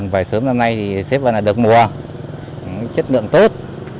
vải sớm năm nay thì xếp vào là đợt mùa chất lượng tốt